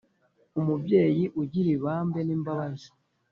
Umubyeyi ugira ibambe n'imbabazi